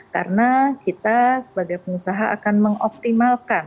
karena kita sebagai pengusaha akan mengoptimalkan